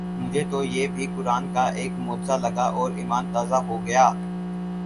مجھے تو یہ بھی قرآن کا ایک معجزہ لگا اور ایمان تازہ ہوگیا